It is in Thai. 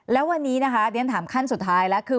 แล้ววันนี้นะคะเรียนถามขั้นสุดท้ายแล้วคือ